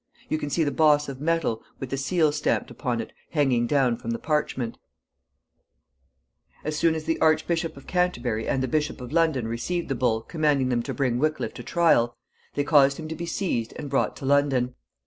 You can see the boss of metal, with the seal stamped upon it, hanging down from the parchment. [Illustration: THE BULL.] As soon as the Archbishop of Canterbury and the Bishop of London received the bull commanding them to bring Wickliffe to trial, they caused him to be seized and brought to London.